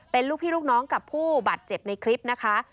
เป็นลูกพี่ลูกน้องกับผู้บาดเจ็บในคลิปนะคะ